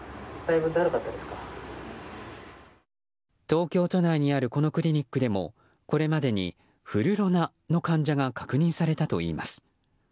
東京都内にあるこのクリニックでも、これまでにフルロナの患者が確認されたといいます。